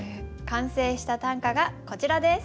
完成した短歌がこちらです。